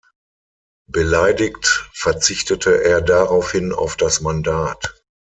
Beleidigt verzichtete er daraufhin auf das Mandat.